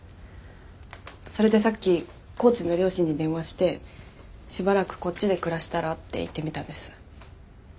それでさっき高知の両親に電話してしばらくこっちで暮らしたらって言ってみたんです。